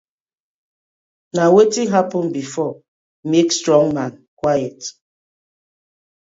Na wetin happen before, make strong man quiet: